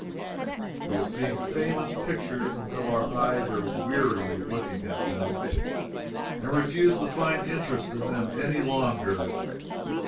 We have seen famous pictures until our eyes are weary with looking at them and refuse to find interest in them any longer.